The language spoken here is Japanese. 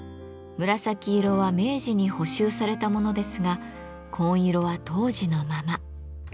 紫色は明治に補修された物ですが紺色は当時のまま。